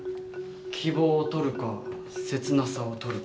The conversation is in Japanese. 希望を取るか切なさを取るか。